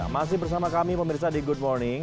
masih bersama kami pemirsa di good morning